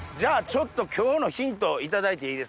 ちょっと今日のヒント頂いていいですか？